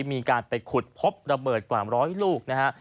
มีการไปขุดพบระเบิดกว่า๑๐๐ลูกนะครับ